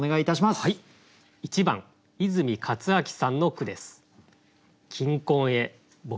１番泉勝明さんの句です。